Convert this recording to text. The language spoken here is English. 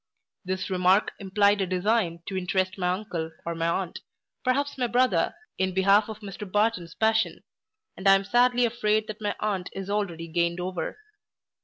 This remark implied a design to interest my uncle or my aunt, perhaps my brother, in behalf of Mr Barton's passion; and I am sadly afraid that my aunt is already gained over.